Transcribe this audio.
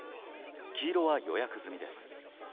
黄色は予約済みです。